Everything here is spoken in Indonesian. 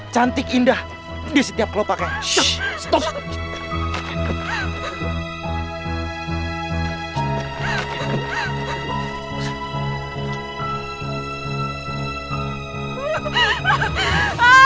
cantik indah di setiap kelopaknya